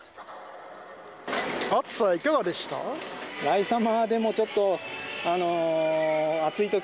暑さはいかがでした？